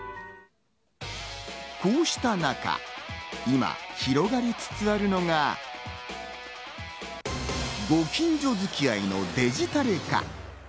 こうした中、今広がりつつあるのが、ご近所付き合いのデジタル化。